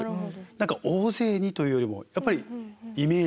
何か大勢にというよりもやっぱりイメージ。